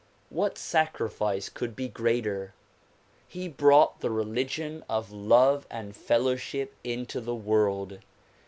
What sacrifice could be greater? He brought the religion of love and fellowship into the world.